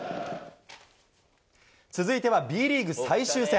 続いてはＢリーグ最終戦。